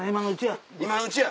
今のうちや。